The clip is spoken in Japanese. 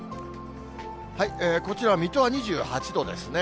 こちら、水戸は２８度ですね。